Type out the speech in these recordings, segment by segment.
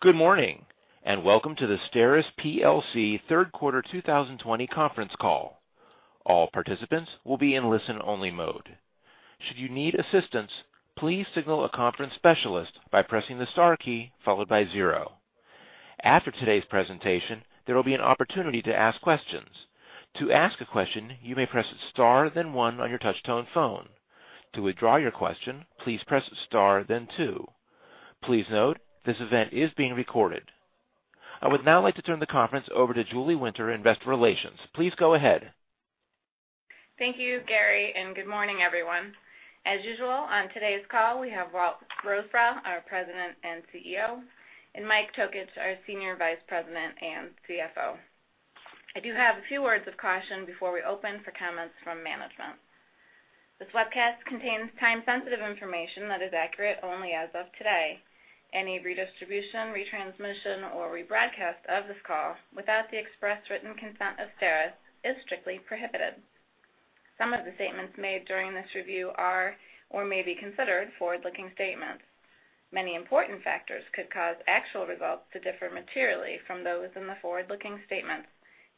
Good morning, and welcome to the STERIS PLC Third Quarter 2020 Conference Call. All participants will be in listen-only mode. Should you need assistance, please signal a conference specialist by pressing the star key followed by zero. After today's presentation, there will be an opportunity to ask questions. To ask a question, you may press star then one on your touch-tone phone. To withdraw your question, please press star then two. Please note, this event is being recorded. I would now like to turn the conference over to Julie Winter, Investor Relations. Please go ahead. Thank you, Gary, and good morning, everyone. As usual, on today's call, we have Walt Rosebrough, our President and CEO, and Mike Tokich, our Senior Vice President and CFO. I do have a few words of caution before we open for comments from management. This webcast contains time-sensitive information that is accurate only as of today. Any redistribution, retransmission, or rebroadcast of this call without the express written consent of STERIS is strictly prohibited. Some of the statements made during this review are or may be considered forward-looking statements. Many important factors could cause actual results to differ materially from those in the forward-looking statements,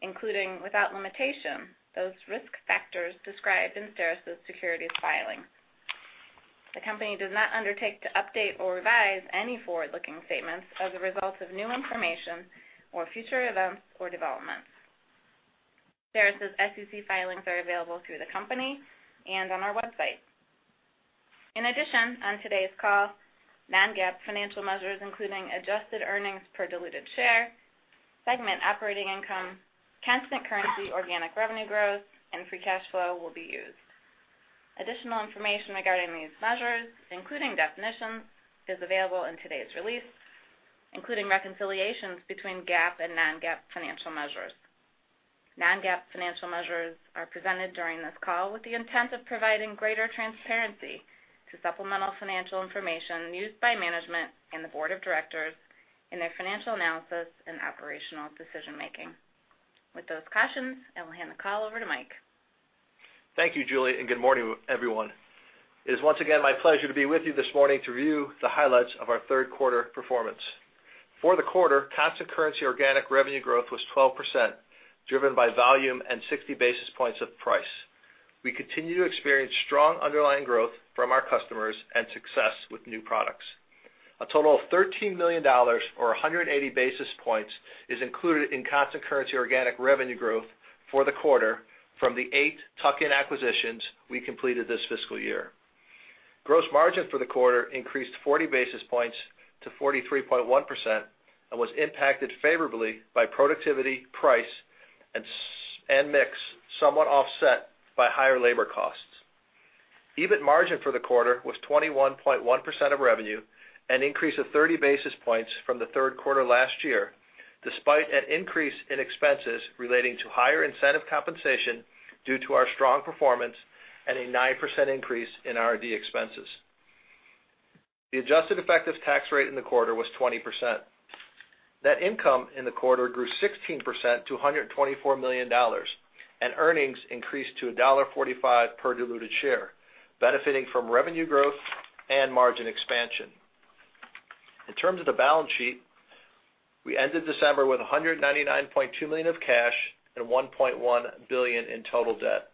including without limitation, those risk factors described in STERIS's securities filings. The company does not undertake to update or revise any forward-looking statements as a result of new information or future events or developments. STERIS's SEC filings are available through the company and on our website. In addition, on today's call, non-GAAP financial measures including adjusted earnings per diluted share, segment operating income, constant currency, organic revenue growth, and free cash flow will be used. Additional information regarding these measures, including definitions, is available in today's release, including reconciliations between GAAP and non-GAAP financial measures. Non-GAAP financial measures are presented during this call with the intent of providing greater transparency to supplemental financial information used by management and the board of directors in their financial analysis and operational decision-making. With those cautions, I will hand the call over to Mike. Thank you, Julie, and good morning, everyone. It is once again my pleasure to be with you this morning to review the highlights of our third quarter performance. For the quarter, constant currency organic revenue growth was 12%, driven by volume and 60 basis points of price. We continue to experience strong underlying growth from our customers and success with new products. A total of $13 million, or 180 basis points, is included in constant currency organic revenue growth for the quarter from the eight tuck-in acquisitions we completed this fiscal year. Gross margin for the quarter increased 40 basis points to 43.1% and was impacted favorably by productivity, price, and mix somewhat offset by higher labor costs. EBIT margin for the quarter was 21.1% of revenue, an increase of 30 basis points from the third quarter last year, despite an increase in expenses relating to higher incentive compensation due to our strong performance and a 9% increase in R&D expenses. The adjusted effective tax rate in the quarter was 20%. Net income in the quarter grew 16% to $124 million, and earnings increased to $1.45 per diluted share, benefiting from revenue growth and margin expansion. In terms of the balance sheet, we ended December with $199.2 million of cash and $1.1 billion in total debt.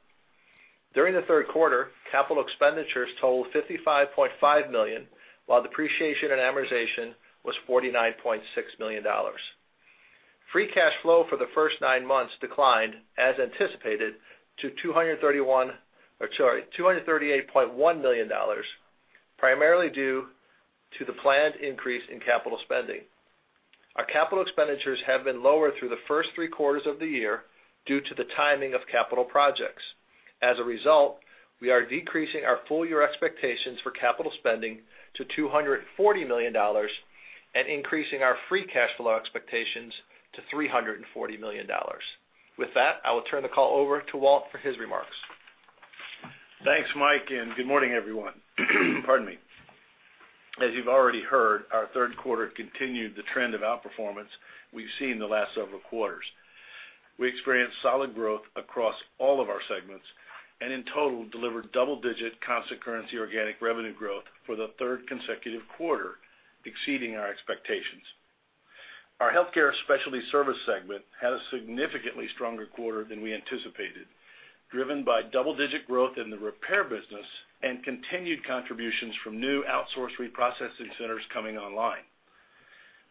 During the third quarter, capital expenditures totaled $55.5 million, while depreciation and amortization was $49.6 million. Free cash flow for the first nine months declined, as anticipated, to $238.1 million, primarily due to the planned increase in capital spending. Our capital expenditures have been lower through the first three quarters of the year due to the timing of capital projects. As a result, we are decreasing our full-year expectations for capital spending to $240 million and increasing our free cash flow expectations to $340 million. With that, I will turn the call over to Walt for his remarks. Thanks, Mike, and good morning, everyone. Pardon me. As you've already heard, our third quarter continued the trend of outperformance we've seen the last several quarters. We experienced solid growth across all of our segments and in total delivered double-digit constant currency organic revenue growth for the third consecutive quarter, exceeding our expectations. Our Healthcare Specialty Services segment had a significantly stronger quarter than we anticipated, driven by double-digit growth in the repair business and continued contributions from new outsourced Reprocessing Centers coming online.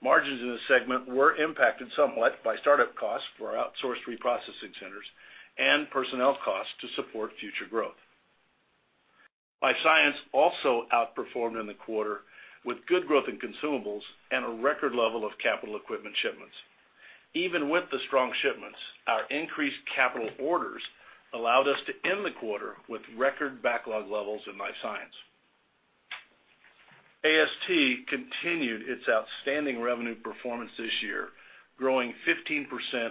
Margins in the segment were impacted somewhat by startup costs for outsourced Reprocessing Centers and personnel costs to support future growth. Life Sciences also outperformed in the quarter with good growth in consumables and a record level of capital equipment shipments. Even with the strong shipments, our increased capital orders allowed us to end the quarter with record backlog levels in Life Sciences. AST continued its outstanding revenue performance this year, growing 15%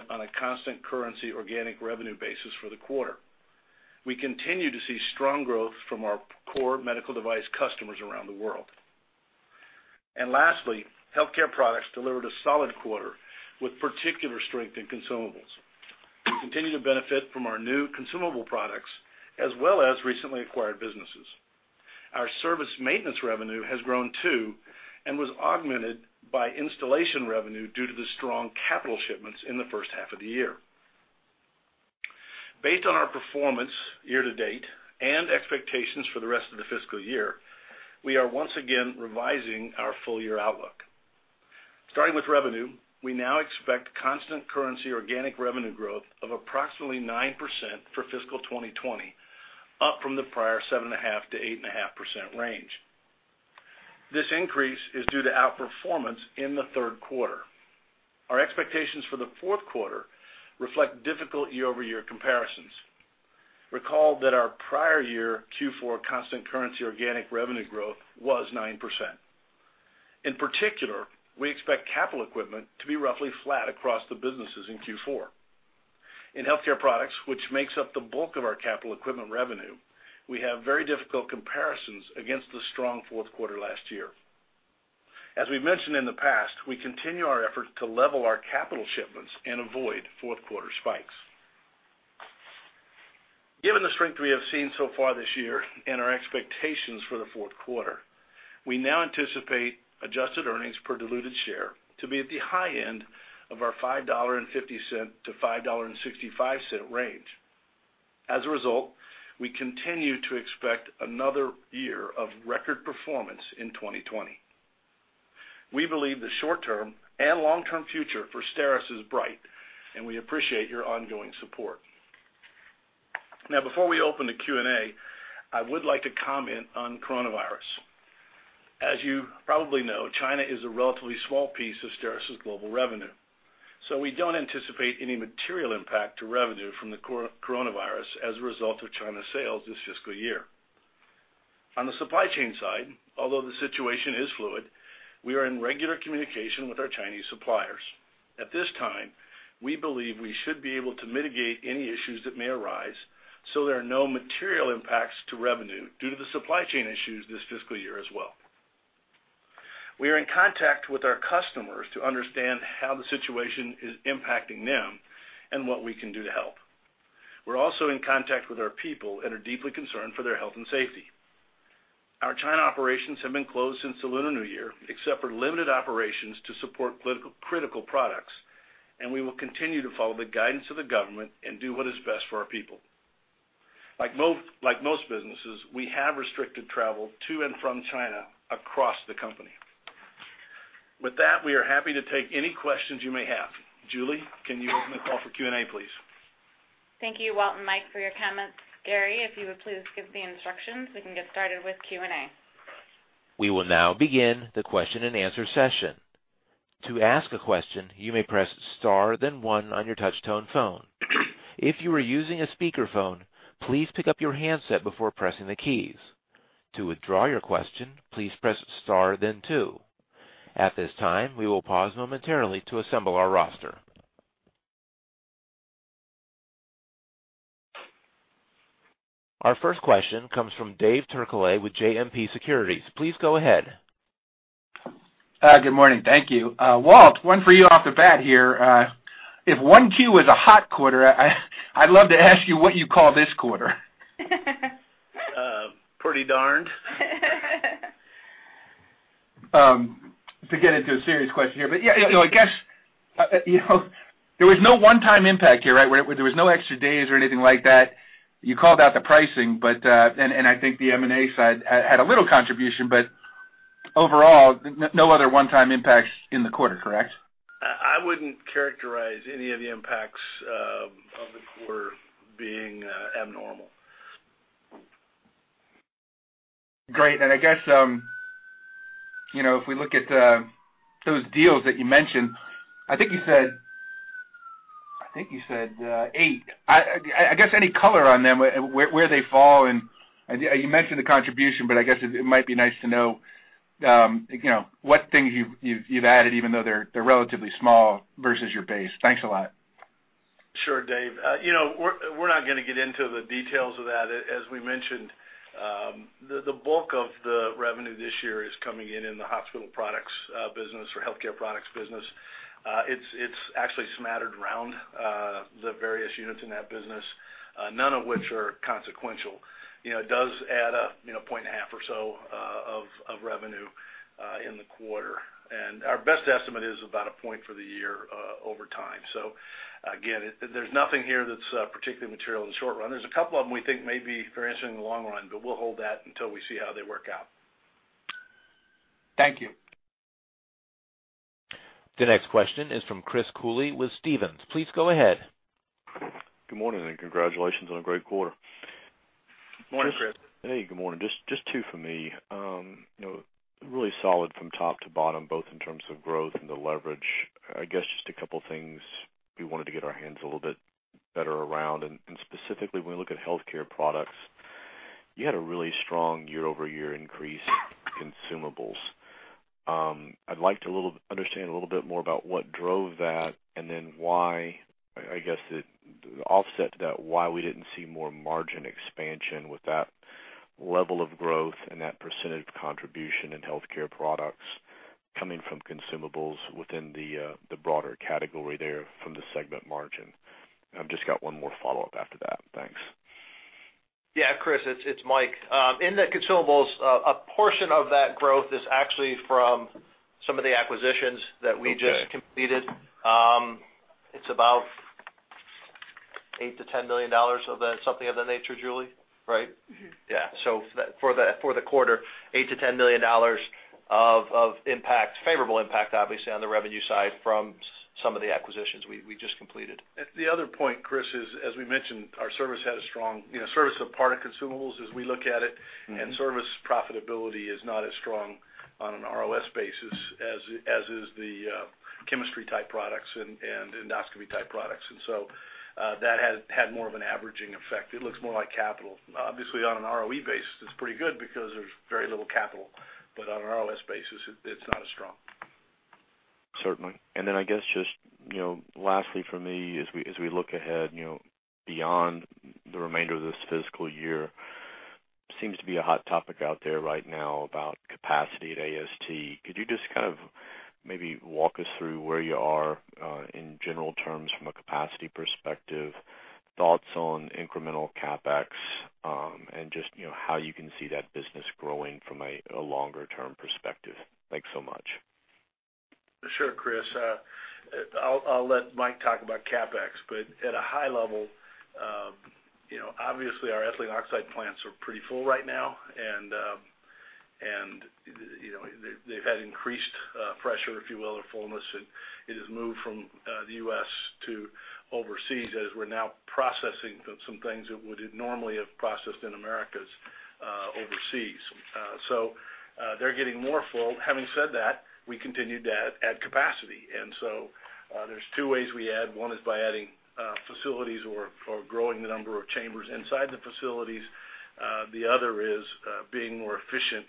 on a constant currency organic revenue basis for the quarter. We continue to see strong growth from our core medical device customers around the world. And lastly, Healthcare Products delivered a solid quarter with particular strength in consumables. We continue to benefit from our new consumable products as well as recently acquired businesses. Our service maintenance revenue has grown too and was augmented by installation revenue due to the strong capital shipments in the first half of the year. Based on our performance year to date and expectations for the rest of the fiscal year, we are once again revising our full-year outlook. Starting with revenue, we now expect constant currency organic revenue growth of approximately 9% for fiscal 2020, up from the prior 7.5%-8.5% range. This increase is due to outperformance in the third quarter. Our expectations for the fourth quarter reflect difficult year-over-year comparisons. Recall that our prior year Q4 constant currency organic revenue growth was 9%. In particular, we expect capital equipment to be roughly flat across the businesses in Q4. In Healthcare Products, which makes up the bulk of our capital equipment revenue, we have very difficult comparisons against the strong fourth quarter last year. As we've mentioned in the past, we continue our efforts to level our capital shipments and avoid fourth quarter spikes. Given the strength we have seen so far this year and our expectations for the fourth quarter, we now anticipate adjusted earnings per diluted share to be at the high end of our $5.50-$5.65 range. As a result, we continue to expect another year of record performance in 2020. We believe the short-term and long-term future for STERIS is bright, and we appreciate your ongoing support. Now, before we open the Q&A, I would like to comment on coronavirus. As you probably know, China is a relatively small piece of STERIS's global revenue, so we don't anticipate any material impact to revenue from the coronavirus as a result of China's sales this fiscal year. On the supply chain side, although the situation is fluid, we are in regular communication with our Chinese suppliers. At this time, we believe we should be able to mitigate any issues that may arise so there are no material impacts to revenue due to the supply chain issues this fiscal year as well. We are in contact with our customers to understand how the situation is impacting them and what we can do to help. We're also in contact with our people and are deeply concerned for their health and safety. Our China operations have been closed since the Lunar New Year, except for limited operations to support critical products, and we will continue to follow the guidance of the government and do what is best for our people. Like most businesses, we have restricted travel to and from China across the company. With that, we are happy to take any questions you may have. Julie, can you open the call for Q&A, please? Thank you, Walt and Mike, for your comments. Gary, if you would please give the instructions, we can get started with Q&A. We will now begin the question and answer session. To ask a question, you may press star then one on your touch-tone phone. If you are using a speakerphone, please pick up your handset before pressing the keys. To withdraw your question, please press star then two. At this time, we will pause momentarily to assemble our roster. Our first question comes from Dave Turkaly with JMP Securities. Please go ahead. Good morning. Thank you. Walt, one for you off the bat here. If 1Q is a hot quarter, I'd love to ask you what you call this quarter. Pretty darned. To get into a serious question here, but yeah, I guess there was no one-time impact here, right? There were no extra days or anything like that. You called out the pricing, and I think the M&A side had a little contribution, but overall, no other one-time impacts in the quarter, correct? I wouldn't characterize any of the impacts of the quarter being abnormal. Great. And I guess if we look at those deals that you mentioned, I think you said eight. I guess any color on them, where they fall, and you mentioned the contribution, but I guess it might be nice to know what things you've added, even though they're relatively small versus your base. Thanks a lot. Sure, Dave. We're not going to get into the details of that. As we mentioned, the bulk of the revenue this year is coming in in the hospital products business or Healthcare Products business. It's actually smattered around the various units in that business, none of which are consequential. It does add a point and a half or so of revenue in the quarter, and our best estimate is about a point for the year over time. So again, there's nothing here that's particularly material in the short run. There's a couple of them we think may be very interesting in the long run, but we'll hold that until we see how they work out. Thank you. The next question is from Chris Cooley with Stephens. Please go ahead. Good morning and congratulations on a great quarter. Good morning, Chris. Hey, good morning. Just two for me. Really solid from top to bottom, both in terms of growth and the leverage. I guess just a couple of things we wanted to get our hands a little bit better around, and specifically when we look at Healthcare Products, you had a really strong year-over-year increase in consumables. I'd like to understand a little bit more about what drove that and then why I guess the offset to that, why we didn't see more margin expansion with that level of growth and that percentage contribution in Healthcare Products coming from consumables within the broader category there from the segment margin. I've just got one more follow-up after that. Thanks. Yeah, Chris, it's Mike. In the consumables, a portion of that growth is actually from some of the acquisitions that we just completed. It's about $8 million-$10 million of something of that nature, Julie, right? Mm-hmm. Yeah. So for the quarter, $8-$10 million of impact, favorable impact, obviously, on the revenue side from some of the acquisitions we just completed. The other point, Chris, is, as we mentioned, our service had a strong service or part of consumables as we look at it, and service profitability is not as strong on an ROS basis as is the chemistry-type products and endoscopy-type products. And so that had more of an averaging effect. It looks more like capital. Obviously, on an ROE basis, it's pretty good because there's very little capital, but on an ROS basis, it's not as strong. Certainly. And then I guess just lastly for me, as we look ahead beyond the remainder of this fiscal year, seems to be a hot topic out there right now about capacity at AST. Could you just kind of maybe walk us through where you are in general terms from a capacity perspective, thoughts on incremental CapEx, and just how you can see that business growing from a longer-term perspective? Thanks so much. Sure, Chris. I'll let Mike talk about CapEx, but at a high level, obviously, our ethylene oxide plants are pretty full right now, and they've had increased pressure, if you will, or fullness, and it has moved from the U.S. to overseas as we're now processing some things that would normally have processed in America to overseas. So they're getting more full. Having said that, we continue to add capacity. And so there's two ways we add. One is by adding facilities or growing the number of chambers inside the facilities. The other is being more efficient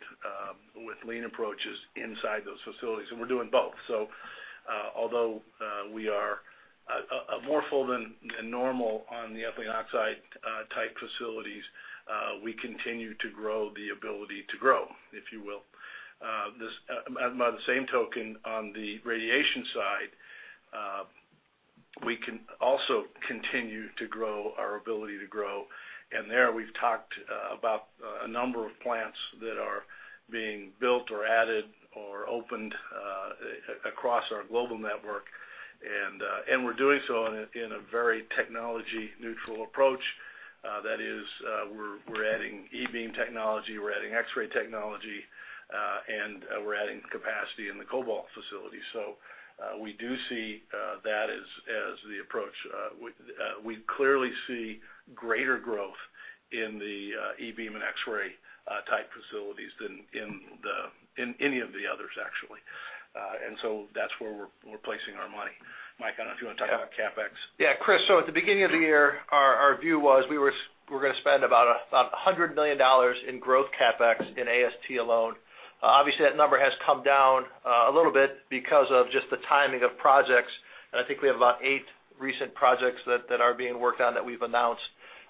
with lean approaches inside those facilities. And we're doing both. So although we are more full than normal on the ethylene oxide-type facilities, we continue to grow the ability to grow, if you will. By the same token, on the radiation side, we can also continue to grow our ability to grow. And there we've talked about a number of plants that are being built or added or opened across our global network, and we're doing so in a very technology-neutral approach. That is, we're adding E-beam technology, we're adding X-ray technology, and we're adding capacity in the cobalt facility. So we do see that as the approach. We clearly see greater growth in the E-beam and X-ray-type facilities than in any of the others, actually. And so that's where we're placing our money. Mike, I don't know if you want to talk about CapEx. Yeah, Chris. So at the beginning of the year, our view was we were going to spend about $100 million in growth CapEx in AST alone. Obviously, that number has come down a little bit because of just the timing of projects, and I think we have about eight recent projects that are being worked on that we've announced.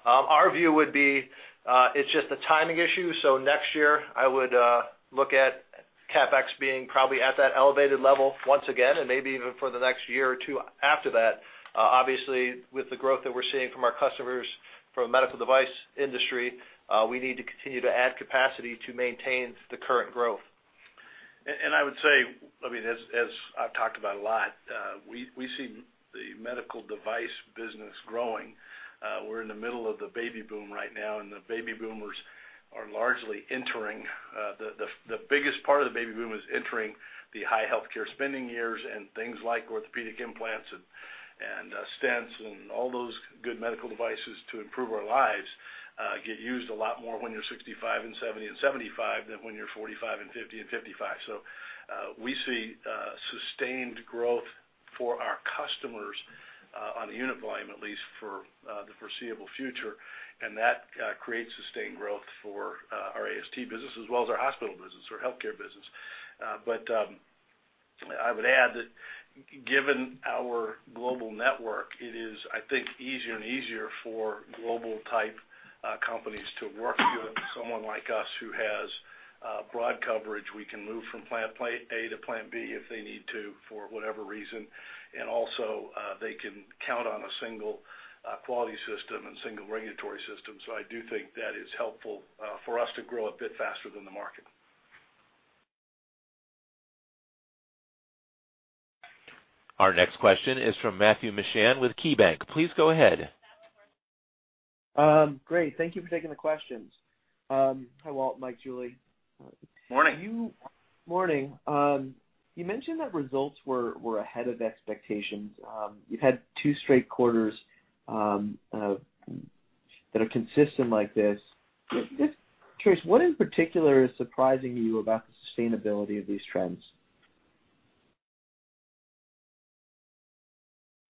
Our view would be it's just a timing issue. So next year, I would look at CapEx being probably at that elevated level once again, and maybe even for the next year or two after that. Obviously, with the growth that we're seeing from our customers from the medical device industry, we need to continue to add capacity to maintain the current growth. I would say, I mean, as I've talked about a lot, we see the medical device business growing. We're in the middle of the baby boom right now, and the baby boomers are largely entering. The biggest part of the baby boom is entering the high healthcare spending years and things like orthopedic implants and stents and all those good medical devices to improve our lives get used a lot more when you're 65 and 70 and 75 than when you're 45 and 50 and 55. So we see sustained growth for our customers on the unit volume, at least for the foreseeable future, and that creates sustained growth for our AST business as well as our hospital business or healthcare business. But I would add that given our global network, it is, I think, easier and easier for global-type companies to work with someone like us who has broad coverage. We can move from plant A to plant B if they need to for whatever reason, and also they can count on a single quality system and single regulatory system. So I do think that is helpful for us to grow a bit faster than the market. Our next question is from Matthew Mishan with KeyBanc. Please go ahead. Great. Thank you for taking the questions. Hi, Walt, Mike, Julie. Morning. Morning. You mentioned that results were ahead of expectations. You've had two straight quarters that are consistent like this. Chris, what in particular is surprising you about the sustainability of these trends?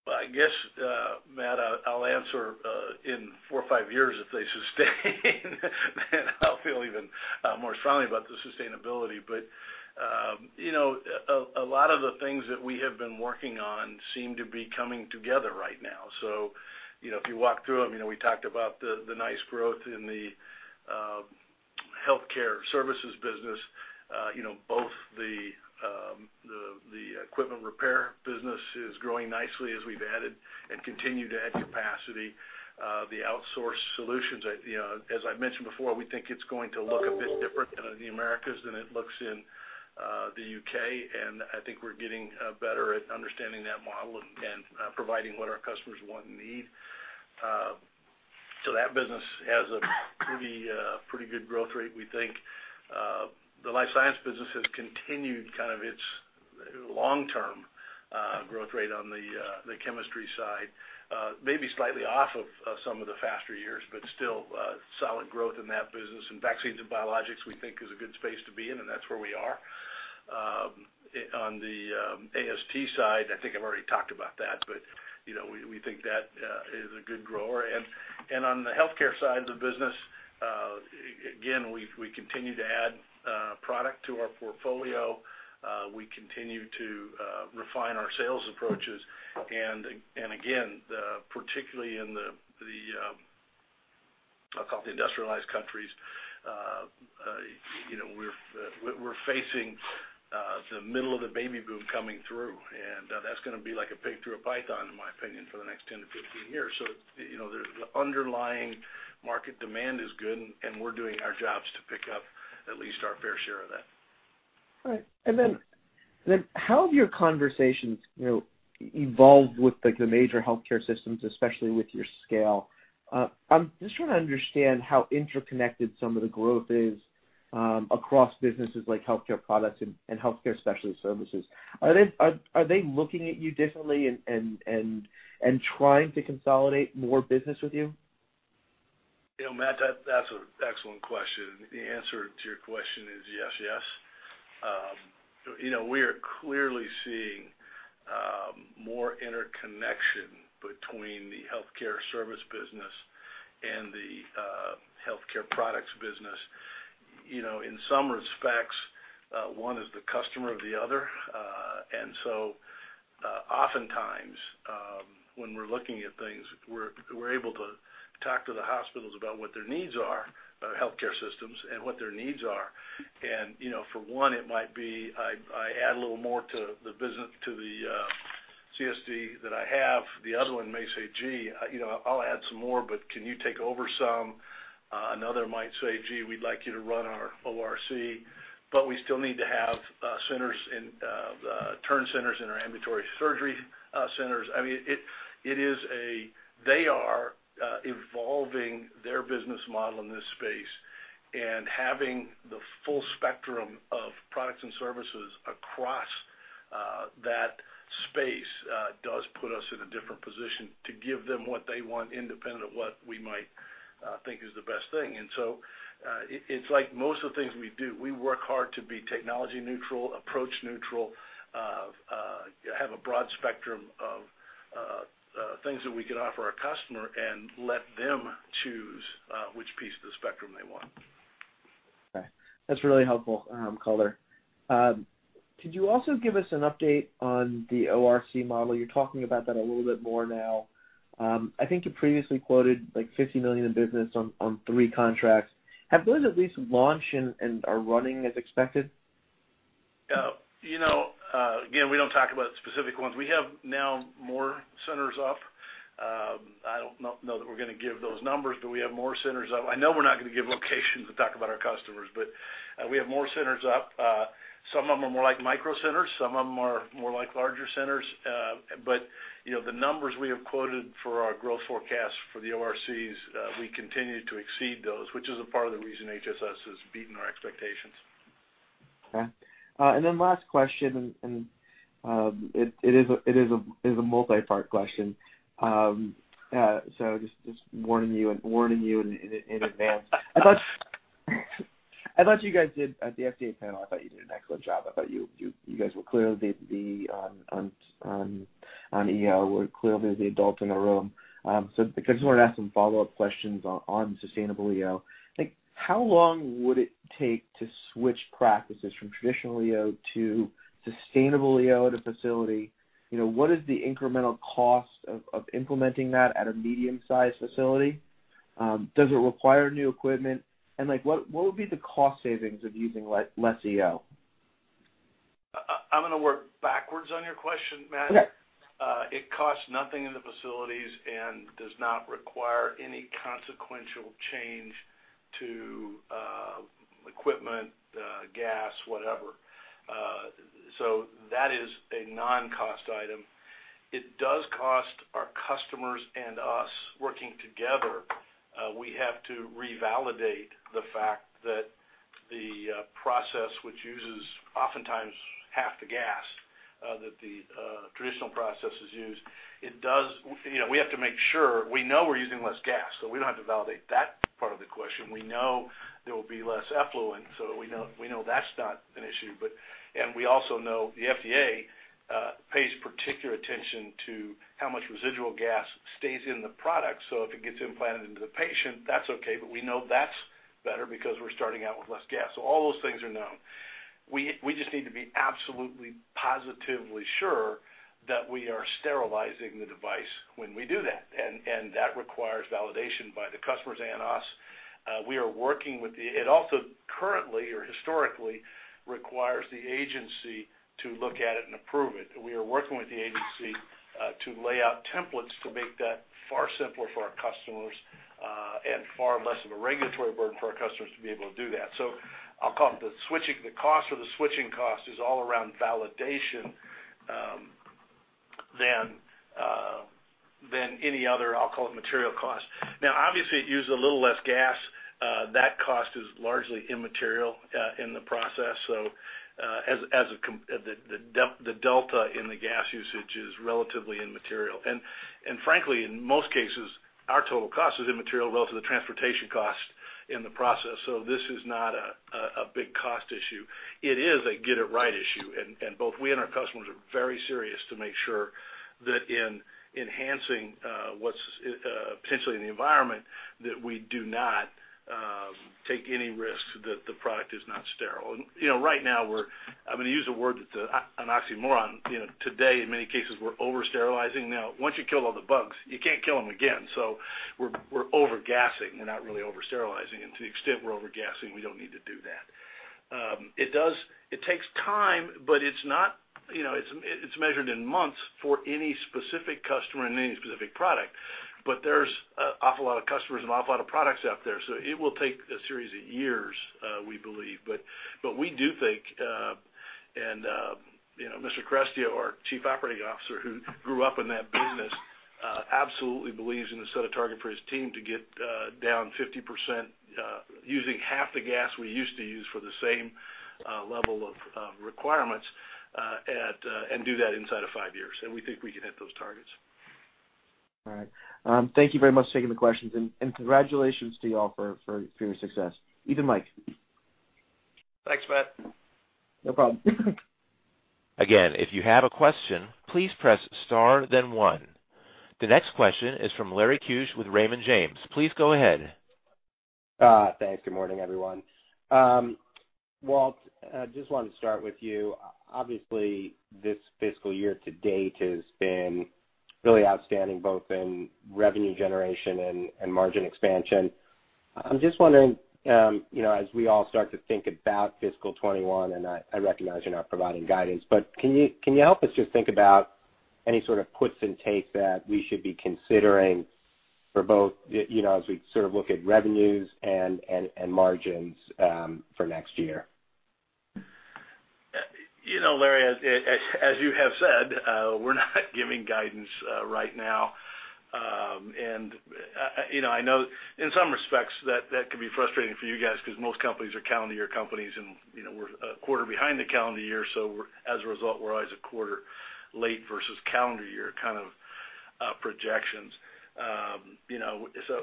Well, I guess, Matt, I'll answer in four or five years if they sustain, then I'll feel even more strongly about the sustainability. But a lot of the things that we have been working on seem to be coming together right now. So if you walk through them, we talked about the nice growth in the healthcare services business. Both the equipment repair business is growing nicely as we've added and continue to add capacity. The outsourced solutions, as I mentioned before, we think it's going to look a bit different in the Americas than it looks in the U.K., and I think we're getting better at understanding that model and providing what our customers want and need. So that business has a pretty good growth rate, we think. The life science business has continued kind of its long-term growth rate on the chemistry side, maybe slightly off of some of the faster years, but still solid growth in that business, and vaccines and biologics, we think, is a good space to be in, and that's where we are. On the AST side, I think I've already talked about that, but we think that is a good grower, and on the healthcare side of the business, again, we continue to add product to our portfolio. We continue to refine our sales approaches, and again, particularly in the, I'll call it, industrialized countries, we're facing the middle of the baby boom coming through, and that's going to be like a pig through a python, in my opinion, for the next 10-15 years. So the underlying market demand is good, and we're doing our jobs to pick up at least our fair share of that. All right. And then how have your conversations evolved with the major healthcare systems, especially with your scale? I'm just trying to understand how interconnected some of the growth is across businesses like Healthcare Products and healthcare specialty services. Are they looking at you differently and trying to consolidate more business with you? Matt, that's an excellent question. The answer to your question is yes, yes. We are clearly seeing more interconnection between the healthcare service business and the Healthcare Products business. In some respects, one is the customer of the other. And so oftentimes, when we're looking at things, we're able to talk to the hospitals about what their needs are, healthcare systems, and what their needs are. And for one, it might be, "I add a little more to the CSD that I have." The other one may say, "Gee, I'll add some more, but can you take over some?" Another might say, "Gee, we'd like you to run our ORC, but we still need to have turn centers in our ambulatory surgery centers." I mean, it is that they are evolving their business model in this space, and having the full spectrum of products and services across that space does put us in a different position to give them what they want independent of what we might think is the best thing. And so it's like most of the things we do, we work hard to be technology-neutral, approach-neutral, have a broad spectrum of things that we can offer our customer and let them choose which piece of the spectrum they want. Okay. That's really helpful, color. Could you also give us an update on the ORC model? You're talking about that a little bit more now. I think you previously quoted like $50 million in business on three contracts. Have those at least launched and are running as expected? Again, we don't talk about specific ones. We have now more centers up. I don't know that we're going to give those numbers, but we have more centers up. I know we're not going to give locations and talk about our customers, but we have more centers up. Some of them are more like micro centers. Some of them are more like larger centers. But the numbers we have quoted for our growth forecast for the ORCs, we continue to exceed those, which is a part of the reason HSS has beaten our expectations. Okay. And then last question, and it is a multi-part question. So just warning you in advance. I thought you guys did at the FDA panel. I thought you did an excellent job. I thought you guys were clearly the EO. You were clearly the adult in the room. So I just wanted to ask some follow-up questions on Sustainable EO. How long would it take to switch practices from traditional EO to Sustainable EO at a facility? What is the incremental cost of implementing that at a medium-sized facility? Does it require new equipment? And what would be the cost savings of using less EO? I'm going to work backwards on your question, Matt. It costs nothing in the facilities and does not require any consequential change to equipment, gas, whatever, so that is a non-cost item. It does cost our customers and us working together. We have to revalidate the fact that the process, which uses oftentimes half the gas that the traditional processes use, we have to make sure we know we're using less gas, so we don't have to validate that part of the question. We know there will be less effluent, so we know that's not an issue, and we also know the FDA pays particular attention to how much residual gas stays in the product. So if it gets implanted into the patient, that's okay, but we know that's better because we're starting out with less gas. So all those things are known. We just need to be absolutely positively sure that we are sterilizing the device when we do that. And that requires validation by the customers and us. We are working with the FDA. It also currently or historically requires the agency to look at it and approve it. We are working with the agency to lay out templates to make that far simpler for our customers and far less of a regulatory burden for our customers to be able to do that. So I'll call it the switching. The cost for the switching cost is all around validation than any other, I'll call it, material cost. Now, obviously, it uses a little less gas. That cost is largely immaterial in the process. So the delta in the gas usage is relatively immaterial. And frankly, in most cases, our total cost is immaterial relative to the transportation cost in the process. So this is not a big cost issue. It is a get-it-right issue. And both we and our customers are very serious to make sure that in enhancing what's potentially in the environment, that we do not take any risks that the product is not sterile. And right now, I'm going to use a word that's an oxymoron. Today, in many cases, we're over-sterilizing. Now, once you kill all the bugs, you can't kill them again. So we're over-gassing. We're not really over-sterilizing. And to the extent we're over-gassing, we don't need to do that. It takes time, but it's measured in months for any specific customer and any specific product, but there's an awful lot of customers and an awful lot of products out there. So it will take a series of years, we believe. But we do think, and Mr. Carestio, our Chief Operating Officer, who grew up in that business, absolutely believes in the set of targets for his team to get down 50% using half the gas we used to use for the same level of requirements and do that inside of five years. And we think we can hit those targets. All right. Thank you very much for taking the questions, and congratulations to you all for your success. Walt, Mike. Thanks, Matt. No problem. Again, if you have a question, please press star, then one. The next question is from Larry Keusch with Raymond James. Please go ahead. Thanks. Good morning, everyone. Walt, I just wanted to start with you. Obviously, this fiscal year to date has been really outstanding, both in revenue generation and margin expansion. I'm just wondering, as we all start to think about fiscal 2021, and I recognize you're not providing guidance, but can you help us just think about any sort of puts and takes that we should be considering for both as we sort of look at revenues and margins for next year? Larry, as you have said, we're not giving guidance right now. And I know in some respects that could be frustrating for you guys because most companies are calendar year companies, and we're a quarter behind the calendar year. So as a result, we're always a quarter late versus calendar year kind of projections. So,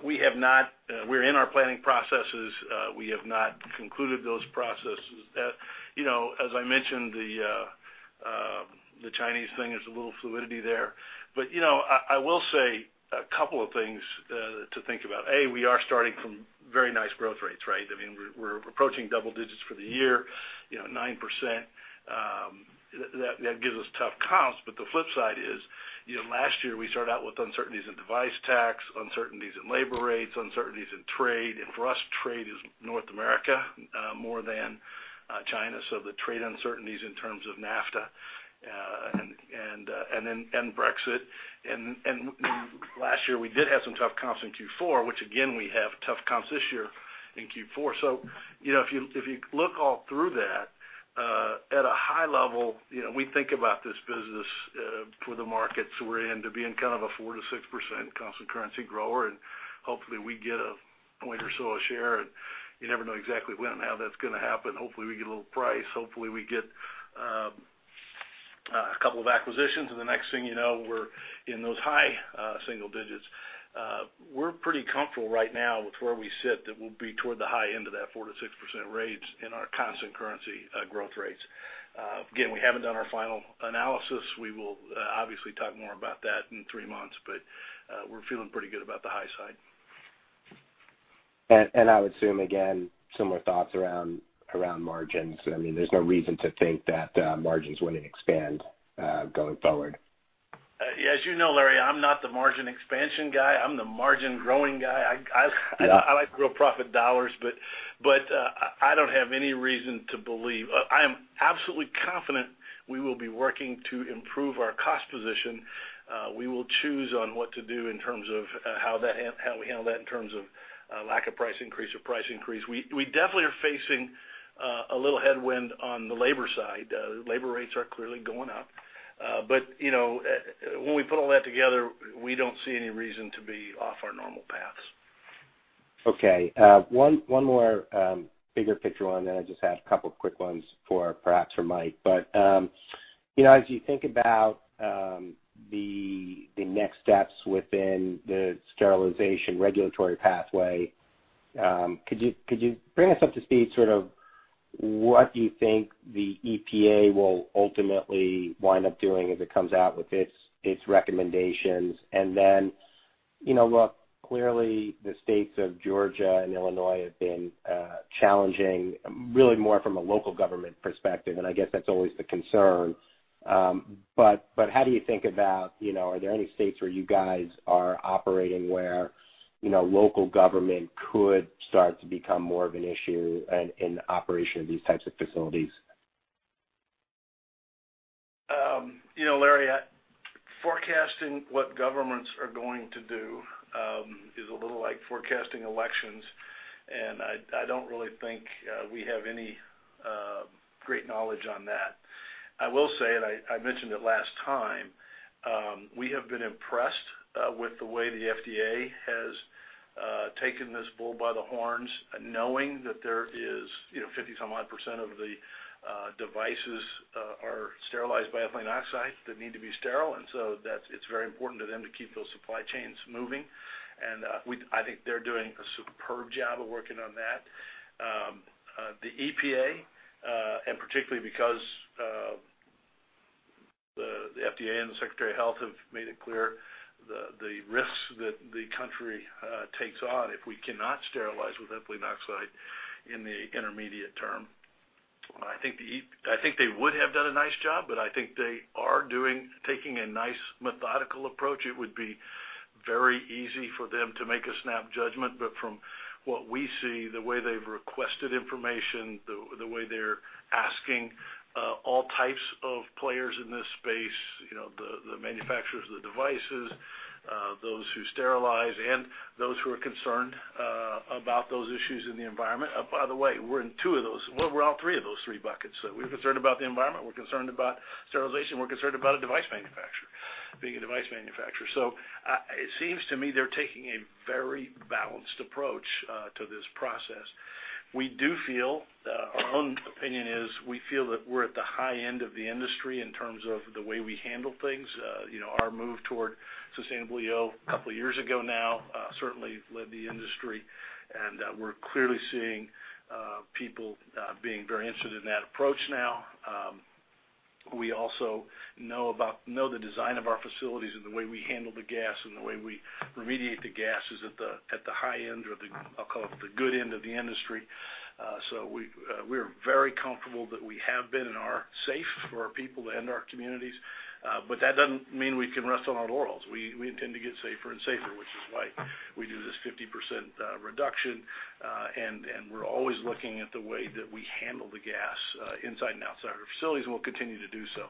we're in our planning processes. We have not concluded those processes. As I mentioned, the Chinese thing, there's a little fluidity there. But I will say a couple of things to think about. A, we are starting from very nice growth rates, right? I mean, we're approaching double digits for the year, 9%. That gives us tough comps. But the flip side is last year, we started out with uncertainties in device tax, uncertainties in labor rates, uncertainties in trade. And for us, trade is North America more than China. The trade uncertainties in terms of NAFTA and then Brexit. Last year, we did have some tough comps in Q4, which again, we have tough comps this year in Q4. If you look all through that, at a high level, we think about this business for the markets we're in to being kind of a 4%-6% constant currency grower. Hopefully, we get a point or so of share. You never know exactly when and how that's going to happen. Hopefully, we get a little price. Hopefully, we get a couple of acquisitions. The next thing you know, we're in those high single digits. We're pretty comfortable right now with where we sit that we'll be toward the high end of that 4%-6% rates in our comps and currency growth rates. Again, we haven't done our final analysis. We will obviously talk more about that in three months, but we're feeling pretty good about the high side. I would assume, again, similar thoughts around margins. I mean, there's no reason to think that margins wouldn't expand going forward. Yeah. As you know, Larry, I'm not the margin expansion guy. I'm the margin growing guy. I like to grow profit dollars, but I don't have any reason to believe I am absolutely confident we will be working to improve our cost position. We will choose on what to do in terms of how we handle that in terms of lack of price increase or price increase. We definitely are facing a little headwind on the labor side. Labor rates are clearly going up. But when we put all that together, we don't see any reason to be off our normal paths. Okay. One more bigger picture one that I just had, a couple of quick ones for perhaps for Mike. But as you think about the next steps within the sterilization regulatory pathway, could you bring us up to speed sort of what you think the EPA will ultimately wind up doing as it comes out with its recommendations? And then, look, clearly, the states of Georgia and Illinois have been challenging, really more from a local government perspective. And I guess that's always the concern. But how do you think about are there any states where you guys are operating where local government could start to become more of an issue in operation of these types of facilities? Larry, forecasting what governments are going to do is a little like forecasting elections. And I don't really think we have any great knowledge on that. I will say, and I mentioned it last time, we have been impressed with the way the FDA has taken this bull by the horns, knowing that there is 50-some odd% of the devices are sterilized by ethylene oxide that need to be sterile. And so it's very important to them to keep those supply chains moving. And I think they're doing a superb job of working on that. The EPA, and particularly because the FDA and the Secretary of Health have made it clear the risks that the country takes on if we cannot sterilize with ethylene oxide in the intermediate term. I think they would have done a nice job, but I think they are taking a nice methodical approach. It would be very easy for them to make a snap judgment. But from what we see, the way they've requested information, the way they're asking all types of players in this space, the manufacturers of the devices, those who sterilize, and those who are concerned about those issues in the environment. By the way, we're in two of those. Well, we're all three of those three buckets. So we're concerned about the environment. We're concerned about sterilization. We're concerned about a device manufacturer, being a device manufacturer. So it seems to me they're taking a very balanced approach to this process. We do feel our own opinion is we feel that we're at the high end of the industry in terms of the way we handle things. Our move toward Sustainable EO a couple of years ago now certainly led the industry. And we're clearly seeing people being very interested in that approach now. We also know the design of our facilities and the way we handle the gas and the way we remediate the gas is at the high end or the, I'll call it, the good end of the industry. So we are very comfortable that we have been and are safe for our people and our communities. But that doesn't mean we can rest on our laurels. We intend to get safer and safer, which is why we do this 50% reduction. And we're always looking at the way that we handle the gas inside and outside our facilities, and we'll continue to do so.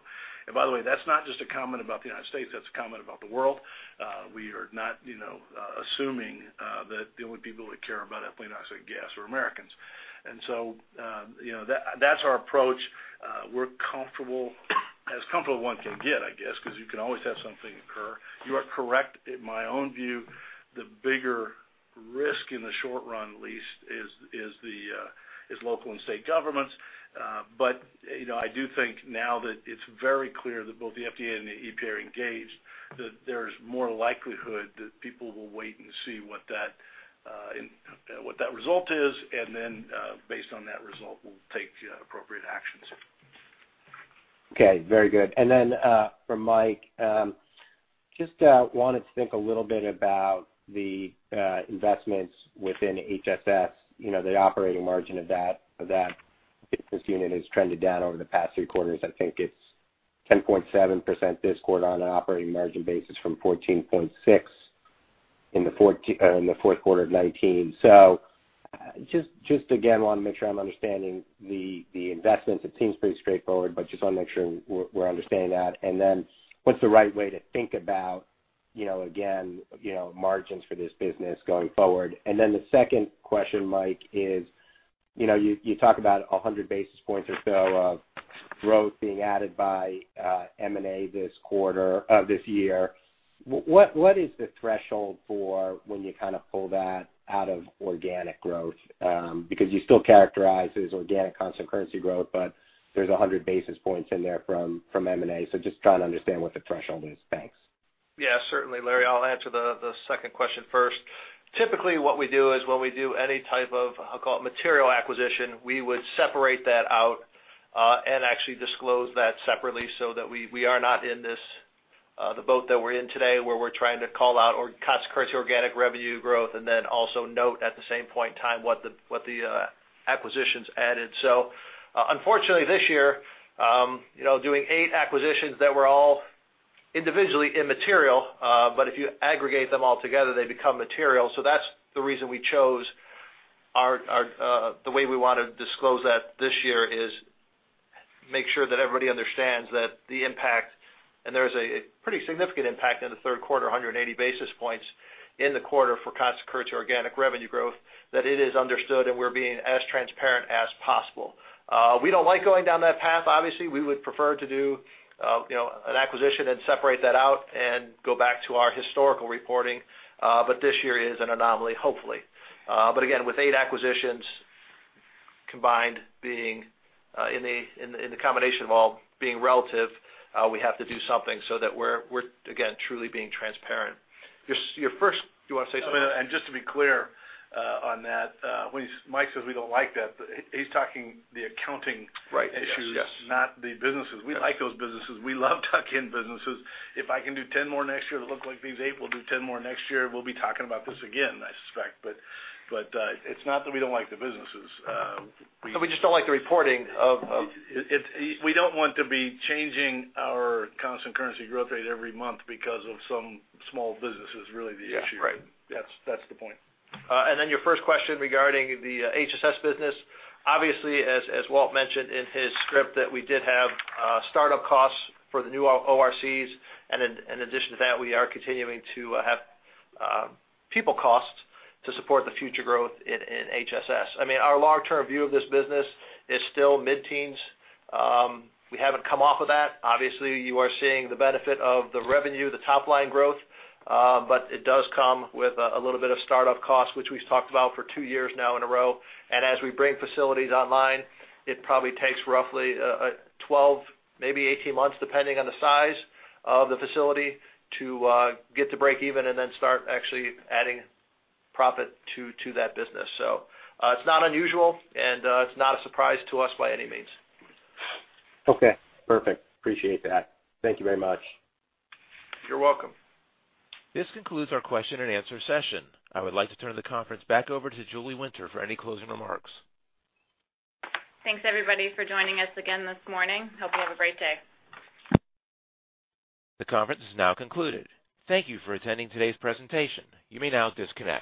And by the way, that's not just a comment about the United States. That's a comment about the world. We are not assuming that the only people that care about ethylene oxide gas are Americans. And so that's our approach. We're comfortable as comfortable one can get, I guess, because you can always have something occur. You are correct, in my own view, the bigger risk in the short run at least is local and state governments. But I do think now that it's very clear that both the FDA and the EPA are engaged, that there's more likelihood that people will wait and see what that result is. And then based on that result, we'll take appropriate actions. Okay. Very good. And then for Mike, just wanted to think a little bit about the investments within HSS. The operating margin of that business unit has trended down over the past three quarters. I think it's 10.7% this quarter on an operating margin basis from 14.6% in the fourth quarter of 2019. So just again, want to make sure I'm understanding the investments. It seems pretty straightforward, but just want to make sure we're understanding that. And then what's the right way to think about, again, margins for this business going forward? And then the second question, Mike, is you talk about 100 basis points or so of growth being added by M&A this quarter of this year. What is the threshold for when you kind of pull that out of organic growth? Because you still characterize it as organic comps and currency growth, but there's 100 basis points in there from M&A. So just trying to understand what the threshold is? Thanks. Yeah, certainly. Larry, I'll answer the second question first. Typically, what we do is when we do any type of, I'll call it, material acquisition, we would separate that out and actually disclose that separately so that we are not in the same boat that we're in today where we're trying to call out organic revenue growth and then also note at the same point in time what the acquisitions added. So unfortunately, this year, doing eight acquisitions that were all individually immaterial, but if you aggregate them all together, they become material. So that's the reason we chose the way we want to disclose that this year is make sure that everybody understands that the impact, and there's a pretty significant impact in the third quarter, 180 basis points in the quarter for comps and currency organic revenue growth, that it is understood and we're being as transparent as possible. We don't like going down that path. Obviously, we would prefer to do an acquisition and separate that out and go back to our historical reporting. But this year is an anomaly, hopefully. But again, with eight acquisitions combined being in the combination of all being relative, we have to do something so that we're, again, truly being transparent. You want to say something? And just to be clear on that, when Mike says we don't like that, he's talking the accounting issues, not the businesses. We like those businesses. We love tuck-in businesses. If I can do 10 more next year that look like these eight, we'll do 10 more next year. We'll be talking about this again, I suspect. But it's not that we don't like the businesses. We just don't like the reporting of we don't want to be changing our comps and constant currency growth rate every month because of some small business is really the issue. That's the point, and then your first question regarding the HSS business, obviously, as Walt mentioned in his script, that we did have startup costs for the new ORCs, and in addition to that, we are continuing to have people costs to support the future growth in HSS. I mean, our long-term view of this business is still mid-teens. We haven't come off of that. Obviously, you are seeing the benefit of the revenue, the top-line growth, but it does come with a little bit of startup costs, which we've talked about for two years now in a row. As we bring facilities online, it probably takes roughly 12, maybe 18 months, depending on the size of the facility, to get to break even and then start actually adding profit to that business. It's not unusual, and it's not a surprise to us by any means. Okay. Perfect. Appreciate that. Thank you very much. You're welcome. This concludes our question and answer session. I would like to turn the conference back over to Julie Winter for any closing remarks. Thanks, everybody, for joining us again this morning. Hope you have a great day. The conference is now concluded. Thank you for attending today's presentation. You may now disconnect.